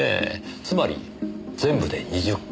つまり全部で２０個。